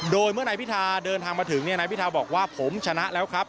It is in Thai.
โดยเมื่อนายพิธาเดินทางมาถึงนายพิธาบอกว่าผมชนะแล้วครับ